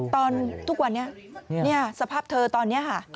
ทุกวันนี้สภาพเธอตอนนี้ค่ะ